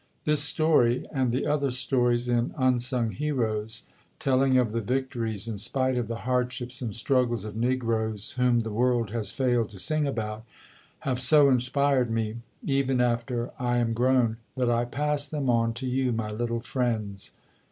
This story and the other stories in "Unsung Heroes", telling of the victories in spite of the hardships and struggles of Negroes whom the world has failed to sing about, have so inspired me, even after I am grown, that I pass them on to you, my little friends.